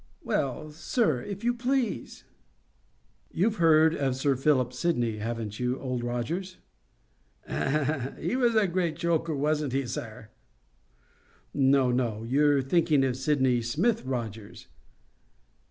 Well, sir, if you please?" "You've heard of Sir Philip Sidney, haven't you, Old Rogers?" "He was a great joker, wasn't he, sir?" "No, no; you're thinking of Sydney Smith, Rogers."